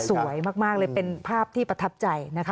สวยมากเลยเป็นภาพที่ประทับใจนะคะ